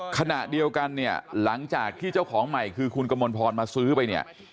ขณะเดียวกันเนี่ยหลังจากที่เจ้าของใหม่คือคุณกมลพรมาซื้อไปเนี่ย